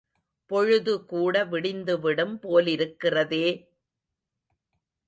பொழுதுகூட விடிந்துவிடும் போலிருக்கிறதே!